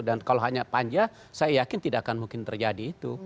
dan kalau hanya panja saya yakin tidak akan mungkin terjadi itu